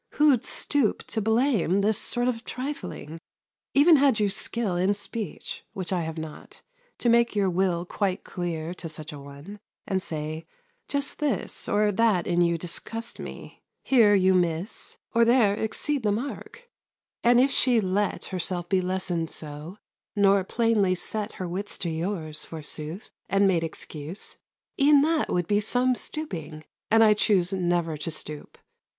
Who'd stoop to blame This sort of trifling? Even had you skill In speech (which I have not) to make your will Quite clear to such an one, and say, "Just this Or that in you disgusts me; here you miss, Or there exceed the mark" and if she let Herself be lessoned so, nor plainly set 40 Her wits to yours, forsooth, and made excuse, E'en that would be some stooping; and I choose Never to stoop.